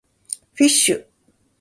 fish